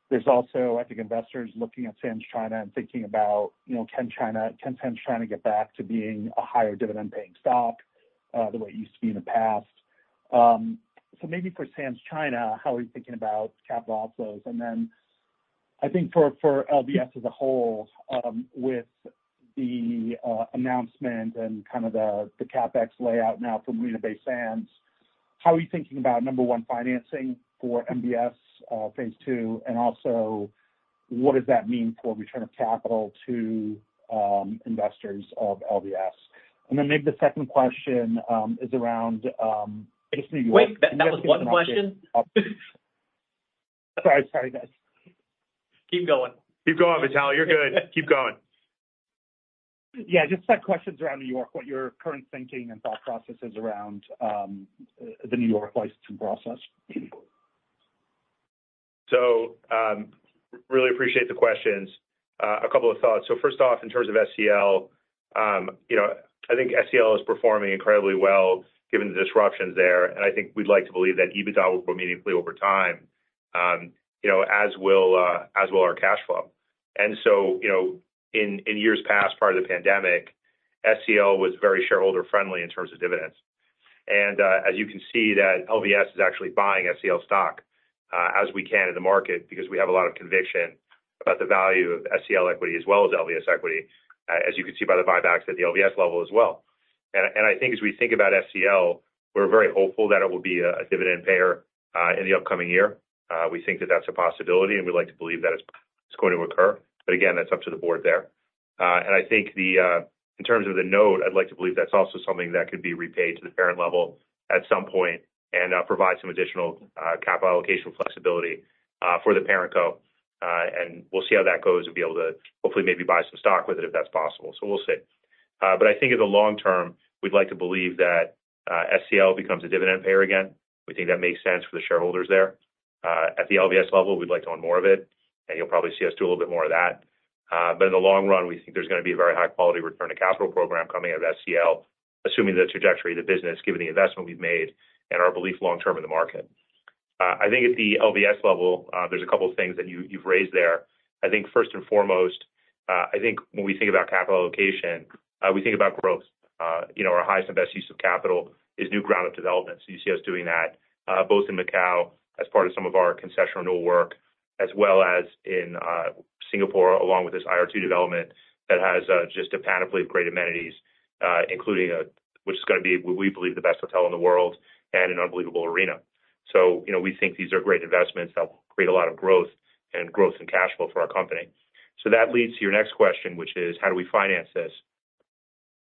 There's also, I think, investors looking at Sands China and thinking about, you know, can Sands China get back to being a higher dividend paying stock the way it used to be in the past? So maybe for Sands China, how are you thinking about capital outflows? And then-... I think for LVS as a whole, with the announcement and kind of the CapEx layout now from Marina Bay Sands, how are you thinking about, number one, financing for MBS, phase two? And also, what does that mean for return of capital to, investors of LVS? And then maybe the second question is around, basically- Wait, that was one question? Sorry, sorry, guys. Keep going. Keep going, Vitaly, you're good. Keep going. Yeah, just some questions around New York, what your current thinking and thought process is around the New York licensing process? So, really appreciate the questions. A couple of thoughts. First off, in terms of SCL, you know, I think SCL is performing incredibly well given the disruptions there. And I think we'd like to believe that EBITDA will grow meaningfully over time, you know, as will our cash flow. And so, you know, in years past, prior to the pandemic, SCL was very shareholder-friendly in terms of dividends. And, as you can see, that LVS is actually buying SCL stock, as we can in the market, because we have a lot of conviction about the value of SCL equity as well as LVS equity, as you can see by the buybacks at the LVS level as well. I think as we think about SCL, we're very hopeful that it will be a dividend payer in the upcoming year. We think that that's a possibility, and we'd like to believe that it's going to occur. But again, that's up to the board there. And I think in terms of the note, I'd like to believe that's also something that could be repaid to the parent level at some point and provide some additional capital allocation flexibility for the parent co. And we'll see how that goes and be able to hopefully, maybe buy some stock with it, if that's possible. So we'll see. But I think in the long term, we'd like to believe that SCL becomes a dividend payer again. We think that makes sense for the shareholders there. At the LVS level, we'd like to own more of it, and you'll probably see us do a little bit more of that. But in the long run, we think there's gonna be a very high-quality return on capital program coming out of SCL, assuming the trajectory of the business, given the investment we've made and our belief long term in the market. I think at the LVS level, there's a couple of things that you, you've raised there. I think first and foremost, I think when we think about capital allocation, we think about growth. You know, our highest and best use of capital is new ground-up development. So you see us doing that, both in Macau as part of some of our concession work, as well as in Singapore, along with this IR2 development that has just a panoply of great amenities, including which is gonna be, we believe, the best hotel in the world and an unbelievable arena. So, you know, we think these are great investments that will create a lot of growth and growth in cash flow for our company. So that leads to your next question, which is: How do we finance this?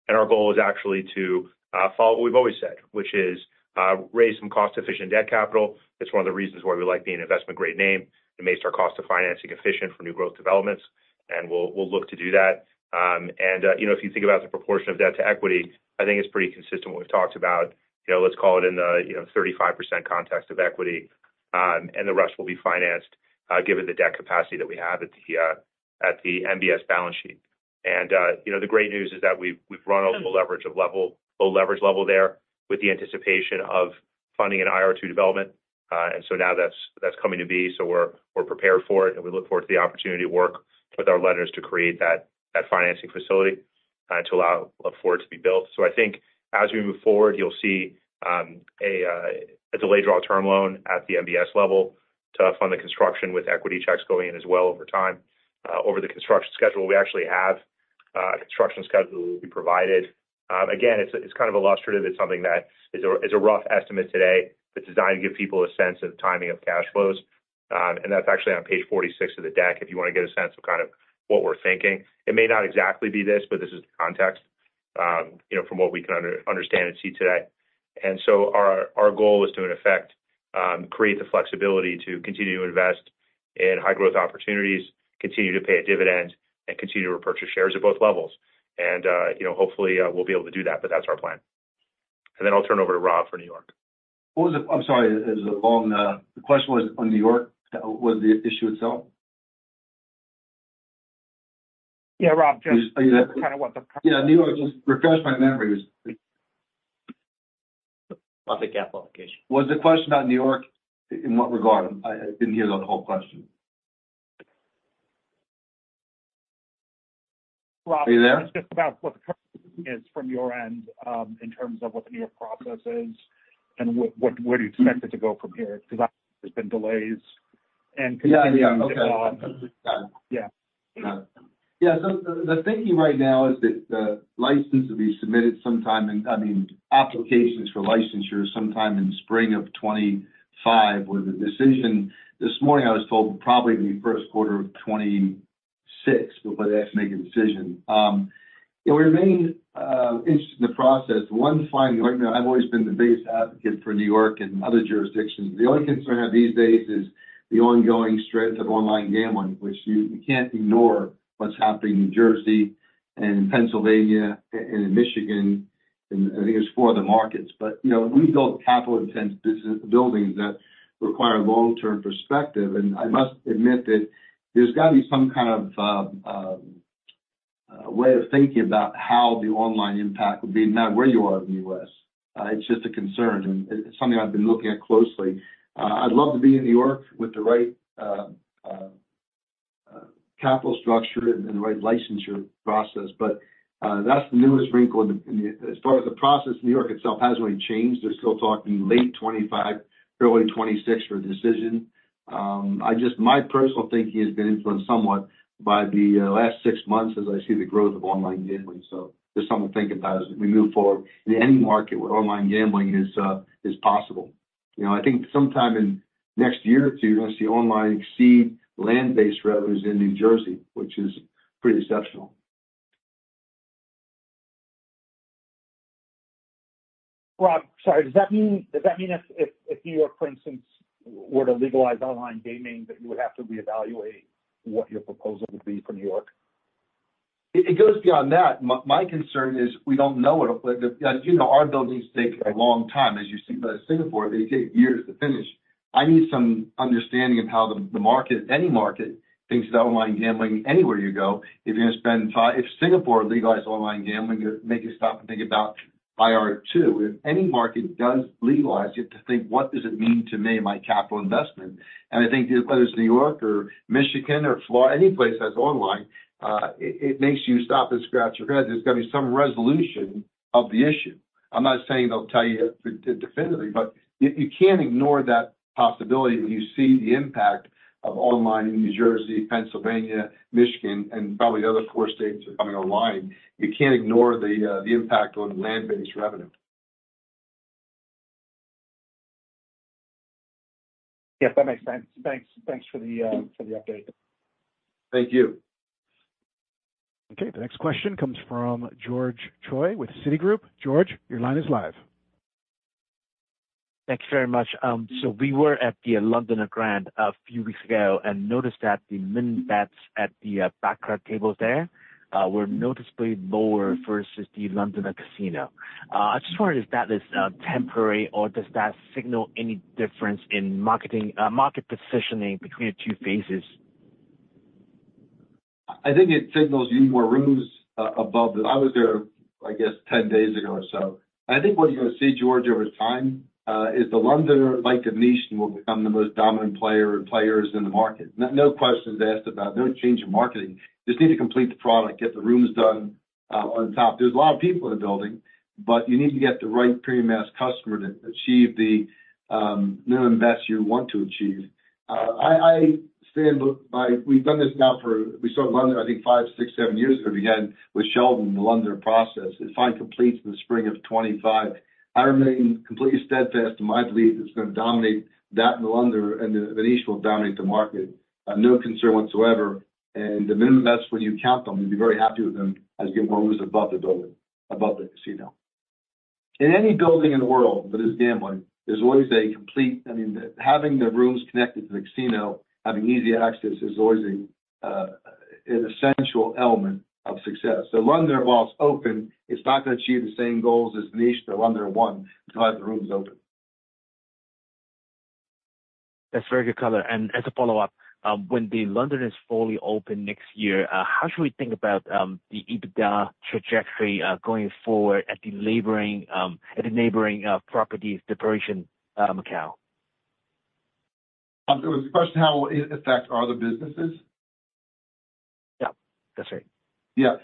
And our goal is actually to follow what we've always said, which is raise some cost-efficient debt capital. It's one of the reasons why we like being an investment-grade name. It makes our cost of financing efficient for new growth developments, and we'll look to do that. And you know, if you think about the proportion of debt to equity, I think it's pretty consistent with what we've talked about. You know, let's call it in the 35% context of equity, and the rest will be financed, given the debt capacity that we have at the MBS balance sheet. You know, the great news is that we've run up the low leverage level there with the anticipation of funding an IR2 development. So now that's coming to be, so we're prepared for it, and we look forward to the opportunity to work with our lenders to create that financing facility to allow for it to be built. So I think as we move forward, you'll see a delayed draw term loan at the MBS level to fund the construction with equity checks going in as well over time. Over the construction schedule, we actually have a construction schedule that will be provided. Again, it's kind of illustrative. It's something that is a rough estimate today. It's designed to give people a sense of the timing of cash flows. And that's actually on page 46 of the deck, if you wanna get a sense of kind of what we're thinking. It may not exactly be this, but this is the context, you know, from what we can understand and see today. And so our goal is to, in effect, create the flexibility to continue to invest in high growth opportunities, continue to pay a dividend, and continue to repurchase shares at both levels. And you know, hopefully, we'll be able to do that, but that's our plan. And then I'll turn over to Rob for New York. What was the... I'm sorry, it was a long, the question was on New York, was the issue itself? Yeah, Rob, just- Are you- -kind of what the- Yeah, New York, just refresh my memory? On the capital allocation. Was the question about New York? In what regard? I didn't hear the whole question. Are you there? It's just about what the current is from your end, in terms of what the New York process is and what, where do you expect it to go from here? Because there's been delays and continuing- Yeah, yeah. Okay. Yeah. Got it. Yeah, so the thinking right now is that the license will be submitted sometime in, I mean, applications for licensure sometime in spring of 2025, where the decision this morning, I was told, will probably be first quarter of 2026, but they have to make a decision. We remain interested in the process. You know, I've always been the biggest advocate for New York and other jurisdictions. The only concern I have these days is the ongoing strengths of online gambling, which you can't ignore what's happening in New Jersey and in Pennsylvania and in Michigan, and I think it's four of the markets, but you know, we build capital-intensive buildings that require long-term perspective. I must admit that there's got to be some kind of way of of of thinking about how the online impact would be, no matter where you are in the U.S. It's just a concern, and it's something I've been looking at closely. I'd love to be in New York with the right capital structure and the right licensure process. That's the newest wrinkle in the process. As far as the process, New York itself hasn't really changed. They're still talking late 2025, early 2026 for a decision. My personal thinking has been influenced somewhat by the last six months as I see the growth of online gambling. Just something to think about as we move forward in any market where online gambling is is possible. You know, I think sometime in the next year or two, you're going to see online exceed land-based revenues in New Jersey, which is pretty exceptional. Rob, sorry, does that mean if, for instance, New York were to legalize online gaming, that you would have to reevaluate what your proposal would be for New York? It goes beyond that. My concern is we don't know what it'll. As you know, our buildings take a long time. As you see by Singapore, they take years to finish. I need some understanding of how the market, any market, thinks about online gambling anywhere you go. If Singapore legalized online gambling, it'll make you stop and think about IR2. If any market does legalize, you have to think, what does it mean to me and my capital investment? And I think whether it's New York or Michigan or Florida, any place that's online, it makes you stop and scratch your head. There's going to be some resolution of the issue. I'm not saying they'll tell you definitively, but you can't ignore that possibility when you see the impact of online in New Jersey, Pennsylvania, Michigan, and probably the other four states are coming online. You can't ignore the impact on land-based revenue. Yes, that makes sense. Thanks, thanks for the, for the update. Thank you. Okay, the next question comes from George Choi with Citigroup. George, your line is live. Thanks very much. So we were at the Londoner Grand a few weeks ago and noticed that the min bets at the baccarat tables there were noticeably lower versus the Londoner Casino. I just wondered if that is temporary, or does that signal any difference in marketing, market positioning between the two phases? I think it signals even more rooms above it. I was there, I guess, 10 days ago or so. I think what you're going to see, George, over time, is the Londoner, like the Venetian, will become the most dominant player and players in the market. No, no questions asked about it, no change in marketing. Just need to complete the product, get the rooms done on top. There's a lot of people in the building, but you need to get the right premium mass customer to achieve the minimum bets you want to achieve. I stand by. We've done this now for. We started Londoner, I think, five, six, seven years ago, began with Sheldon, the Londoner process. It's finally complete in the spring of 2025. I remain completely steadfast in my belief that it's going to dominate that Londoner, and the Venetian will dominate the market. No concern whatsoever, and the minimum, that's when you count them, you'll be very happy with them as you get more rooms above the building, above the casino. In any building in the world that is gambling, there's always a complete, I mean, having the rooms connected to the casino, having easy access, is always a an essential element of success. The Londoner, while it's open, is not going to achieve the same goals as the Venetian or Londoner one, until I have the rooms open. That's very good color. And as a follow-up, when the Londoner is fully open next year, how should we think about the EBITDA trajectory going forward at the neighboring properties, the Parisian, Macau? The question, how it affects other businesses? Yeah, that's right. Yeah.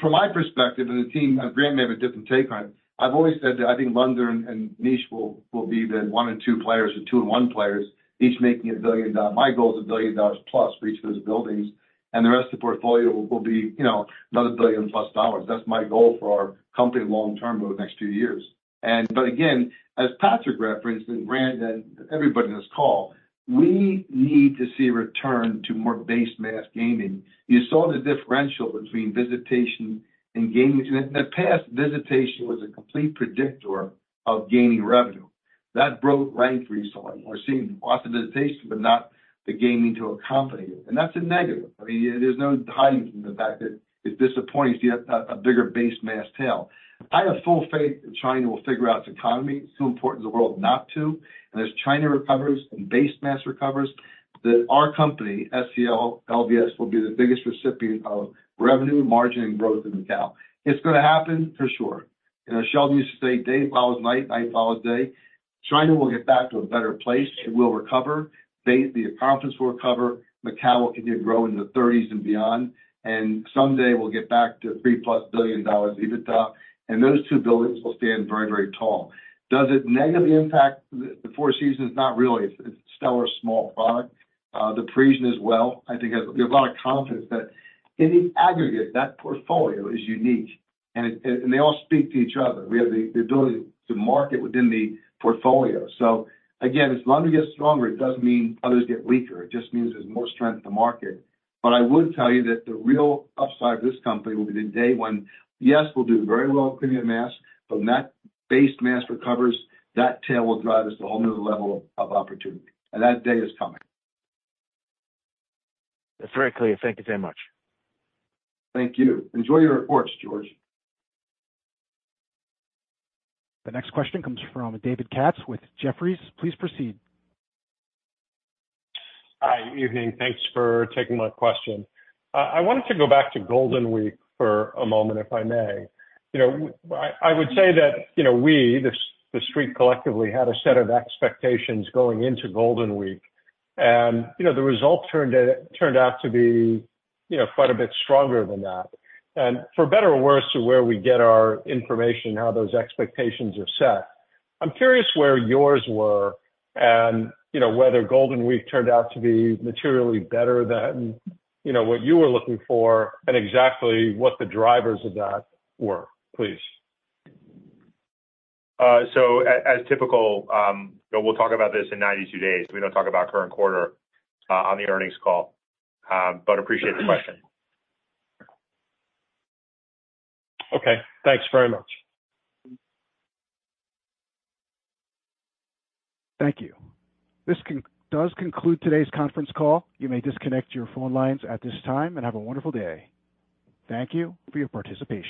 From my perspective and the team, Grant may have a different take on it. I've always said that I think Londoner and Venetian will be the one in two players or two in one players, each making $1 billion. My goal is $1 billion plus for each of those buildings, and the rest of the portfolio will be, you know, another $1 billion plus. That's my goal for our company long term over the next few years. But again, as Patrick referenced, and Grant, and everybody in this call, we need to see a return to more base mass gaming. You saw the differential between visitation and gaming. In the past, visitation was a complete predictor of gaming revenue. That broke rank recently. We're seeing lots of visitation, but not the gaming to accompany it, and that's a negative. I mean, there's no hiding from the fact that it's disappointing to see a bigger base mass tail. I have full faith that China will figure out its economy. It's too important to the world not to. And as China recovers and base mass recovers, that our company, SCL LVS, will be the biggest recipient of revenue, margin, and growth in Macau. It's going to happen for sure. You know, Sheldon used to say, "Day follows night, night follows day." China will get back to a better place, and will recover. Base, the confidence will recover. Macau will continue to grow in the thirties and beyond, and someday we'll get back to $3-plus billion EBITDA, and those two buildings will stand very, very tall. Does it negatively impact the Four Seasons? Not really. It's a stellar small product. The Parisian as well. I think there's a lot of confidence that in the aggregate, that portfolio is unique and it and they all speak to each other. We have the ability to market within the portfolio. So again, as Londoner gets stronger, it doesn't mean others get weaker. It just means there's more strength in the market. But I would tell you that the real upside of this company will be the day when, yes, we'll do very well in premium mass, but when that base mass recovers, that tail will drive us to a whole new level of opportunity, and that day is coming. That's very clear. Thank you very much. Thank you. Enjoy your reports, George. The next question comes from David Katz with Jefferies. Please proceed. Hi, evening. Thanks for taking my question. I wanted to go back to Golden Week for a moment, if I may. You know, I would say that, you know, we, the Street collectively, had a set of expectations going into Golden Week, and, you know, the result turned out to be, you know, quite a bit stronger than that. And for better or worse, to where we get our information, how those expectations are set, I'm curious where yours were and, you know, whether Golden Week turned out to be materially better than, you know, what you were looking for, and exactly what the drivers of that were, please. So as typical, we'll talk about this in ninety-two days. We don't talk about current quarter on the earnings call, but appreciate the question. Okay, thanks very much. Thank you. This does conclude today's conference call. You may disconnect your phone lines at this time and have a wonderful day. Thank you for your participation.